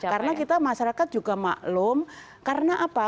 karena kita masyarakat juga maklum karena apa